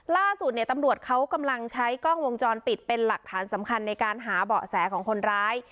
ล่าสุดเนี่ยตำรวจเขากำลังใช้กล้องวงจรปิดเป็นหลักฐานสำคัญในการหาเบาะแสของคนร้าย